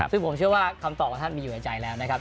ซึ่งผมเชื่อว่าคำตอบของท่านมีอยู่ในใจแล้วนะครับ